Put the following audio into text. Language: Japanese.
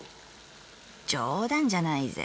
『冗談じゃないぜ。